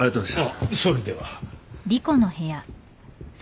ああそれでは。